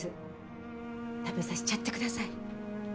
食べさしちゃってください。